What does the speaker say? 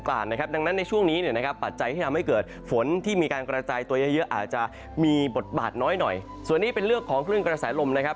อาจจะมีบทบาทน้อยหน่อยส่วนนี้เป็นเรื่องของเครื่องกระแสลมนะครับ